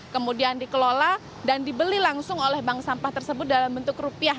kemudian dikelola dan dibeli langsung oleh bank sampah tersebut dalam bentuk rupiah